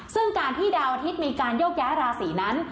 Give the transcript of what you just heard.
ซึ่งการที่ดาวอาทิตย์มีการโยกย้ายราศีนั้น